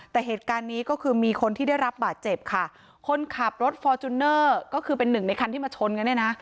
แต่เหตุการณ์นี้ก็คือมีคนที่ได้รับบาดเจ็บค่ะคนขับรถฟอร์จูเนอร์ก็คือเป็นหนึ่งในคันที่มาชนกันเนี่ยนะ